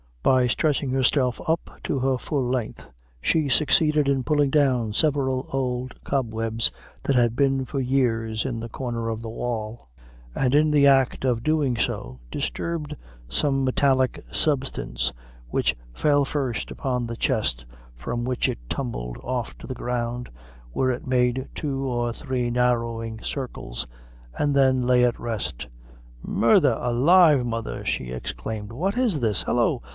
By stretching herself up to her full length, she succeeded in pulling down several old cobwebs that had been for years in the corner of the wall; and in the act of doing so, disturbed some metallic substance, which fell first upon the chest, from which it tumbled off to the ground, where it made two or three narrowing circles, and then lay at rest. "Murdher alive, mother!" she exclaimed, "what is this? Hallo!